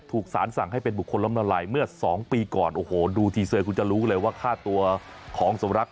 ถูกสารสั่งให้เป็นบุคคลล้มละลายเมื่อสองปีก่อนโอ้โหดูทีเซอร์คุณจะรู้เลยว่าค่าตัวของสมรักษ